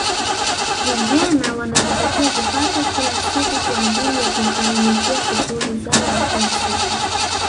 Vijana wanajipatia kipato kila siku kwa ajili ya kugharimia shughuli zao za kila siku